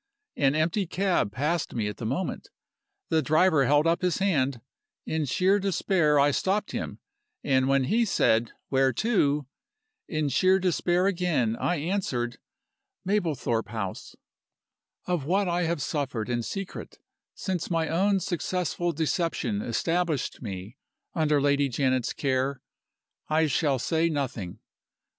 An empty cab passed me at the moment. The driver held up his hand. In sheer despair I stopped him, and when he said 'Where to?' in sheer despair again I answered, 'Mablethorpe House.' "Of what I have suffered in secret since my own successful deception established me under Lady Janet's care I shall say nothing.